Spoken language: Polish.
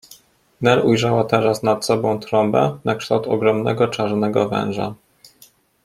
Nel ujrzała teraz nad sobą trąbę, na kształt ogromnego czarnego węża.